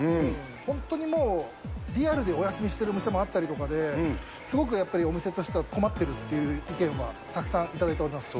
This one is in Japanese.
本当にもう、リアルでお休みしてる店もあったりとかで、すごくやっぱりお店としては困ってるっていう意見はたくさん頂いております。